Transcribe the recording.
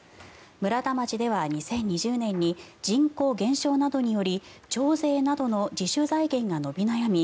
村田町では２０２０年に人口減少などにより町税などの自主財源が伸び悩み